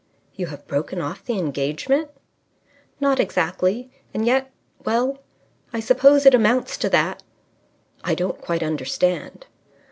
"You have broken off the engagement?" "Not exactly. And yet well, I suppose it amounts to that." "I don't quite understand."